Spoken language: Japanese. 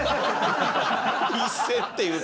一線っていうか。